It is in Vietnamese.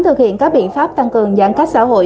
thực hiện các biện pháp tăng cường giãn cách xã hội